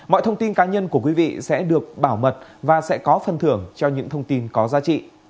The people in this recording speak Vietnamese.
mọi thông tin cá nhân của quý vị sẽ được bảo mật và sẽ có phần thưởng cho những thông tin có giá trị